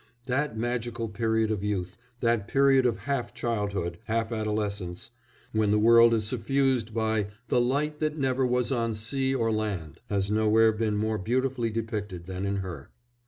That magical period of youth, that period of half childhood, half adolescence, when the world is suffused by "the light that never was on sea or land," has nowhere been more beautifully depicted than in her.